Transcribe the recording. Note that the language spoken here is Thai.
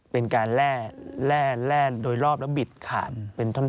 เป็นการแร่โดยรอบแล้วบิดขาดเป็นท่อน